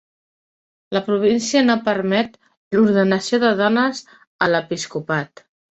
La província no permet l'ordenació de dones a l'episcopat.